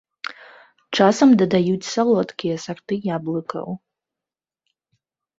Часам дадаюць салодкія сарты яблыкаў.